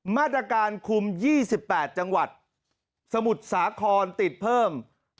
มาตรการคุม๒๘จังหวัดสมุทรสาครติดเพิ่ม